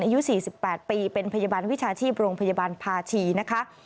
อายุ๔๘ปีเป็นพยาบาลวิชาชีพโรงพยาบาลภาชีนะคะ